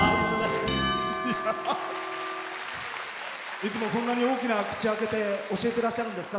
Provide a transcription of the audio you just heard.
いつもそんなに大きな口を開けて教えてらっしゃるんですか？